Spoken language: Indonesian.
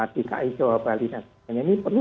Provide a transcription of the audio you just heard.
dki jawa bali dan sebagainya ini perlu